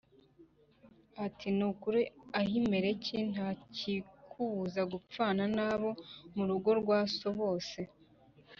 ati “Ni ukuri Ahimeleki, nta kikubuza gupfana n’abo mu rugo rwa so bose.”